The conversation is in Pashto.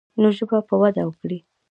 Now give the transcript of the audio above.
نو ژبه به وده وکړي.